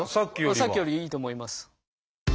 さっきよりいいと思います。